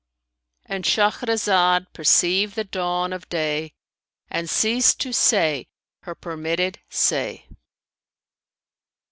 "—And Shahrazad perceived the dawn of day and ceased to say her permitted say.